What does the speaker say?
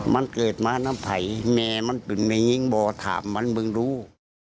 มันเกิดมานั้นไข้แม่มันเป็นแมงงิ้งบอกถามมันเมิ่งรู้